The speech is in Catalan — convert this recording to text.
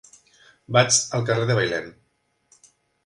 Vaig al carrer de Bailèn.